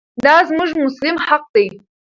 دا زموږ مسلم حق دی.